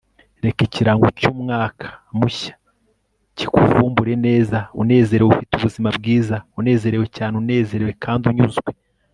reka ikirango cy'umwaka mushya kikuvumbure neza, unezerewe, ufite ubuzima bwiza, unezerewe cyane, unezerewe kandi unyuzwe